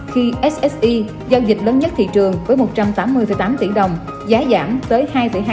khi sse giao dịch lớn nhất thị trường với một trăm tám mươi tám tỷ đồng giá giảm tới hai hai